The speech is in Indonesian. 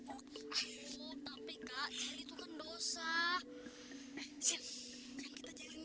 abi tidak menyetujui hubunganku dengan mas dewa